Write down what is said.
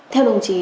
theo đồng chí